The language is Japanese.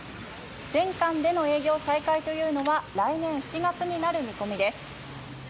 全館での営業再開は来年７月になる見込みです。